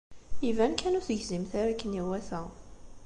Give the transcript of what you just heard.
Iban kan ur tegzimt ara akken iwata.